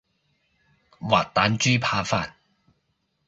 滑蛋豬扒飯